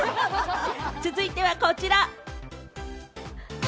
続いては、こちら。